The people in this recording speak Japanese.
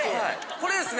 これですね